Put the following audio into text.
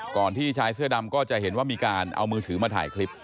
ที่ชายเสื้อดำก็จะเห็นว่ามีการเอามือถือมาถ่ายคลิป